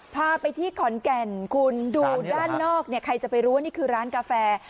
พาไปที่ขอนแก่นคุณดูด้านนอกเนี่ยใครจะไปรู้ว่านี่คือร้านกาแฟ